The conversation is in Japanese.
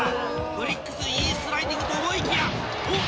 ［ブリッグスいいスライディングと思いきやおっ